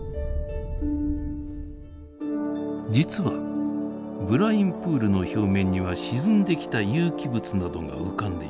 実はブラインプールの表面には沈んできた有機物などが浮かんでいます。